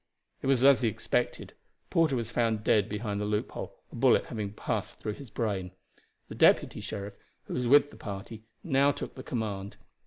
It was as he expected. Porter was found dead behind the loophole, a bullet having passed through his brain. The deputy sheriff, who was with the party, now took the command.